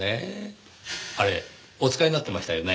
あれお使いになってましたよね？